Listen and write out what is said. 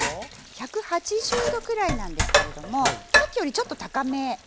１８０℃くらいなんですけれどもさっきよりちょっと高めですね。